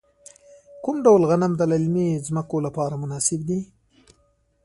کوم ډول غنم د للمي ځمکو لپاره مناسب دي؟